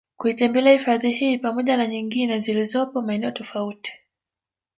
kuitembelea hifadhi hii pamoja na nyingine ziolizopo maeneo tofauti